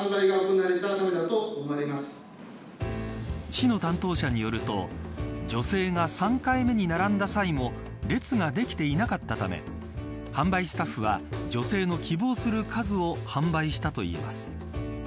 市の担当者によると女性が３回目に並んだ際も列ができていなかったため販売スタッフは女性の希望する数を販売したといいます。